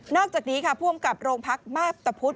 อกจากนี้ค่ะผู้อำกับโรงพักมาพตะพุธ